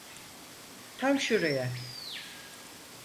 Tam şuraya.